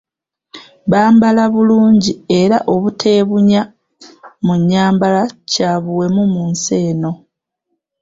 Bambala bulungi era obuteebunya mu nnyambala kya buwemu mu nsi eno.